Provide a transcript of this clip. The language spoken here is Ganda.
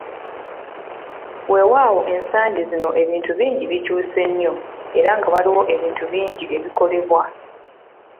Weewaawo ensangi zino ebintu bingi bikyuse nnyo era nga waliwo ebinti bingi ebikolebwa.